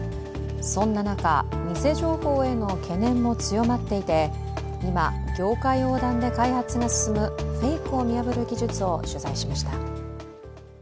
そんな中、偽情報への懸念も強まっていて、今、業界横断で開発が進むフェイクを見破る技術を取材しました。